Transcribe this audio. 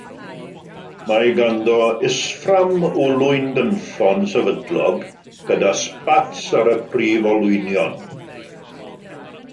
Mae ganddo isffram olwyn gynffon sefydlog gyda sbats ar y prif olwynion.